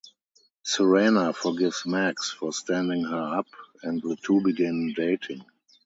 Serena forgives Max for standing her up, and the two begin dating.